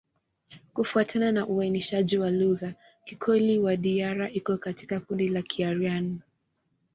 Kufuatana na uainishaji wa lugha, Kikoli-Wadiyara iko katika kundi la Kiaryan.